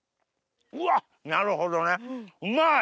うわっなるほどねうまい！